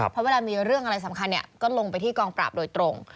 เพราะเวลามีเรื่องอะไรสำคัญก็ลงไปที่กองปราบโดยตรง